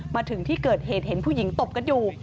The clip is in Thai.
มาถึงที่เกิดเหตุเห็นผู้หญิงตบกันอยู่